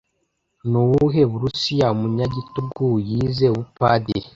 Nuwuhe Burusiya Umunyagitugu Yize Ubupadiri